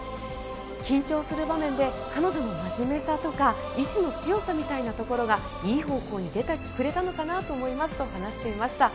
緊張する場面で彼女の真面目さとか意思の強さみたいなところがいい方向に出てくれたのかなと思いますと話していました。